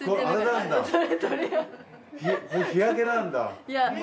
日焼けなんだ。